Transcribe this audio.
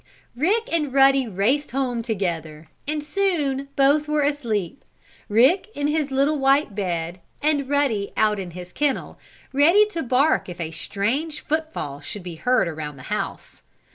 Rick and Ruddy raced home together, and soon both were asleep, Rick in his little white bed, and Ruddy out in his kennel, ready to bark if a strange footfall should be heard around the house.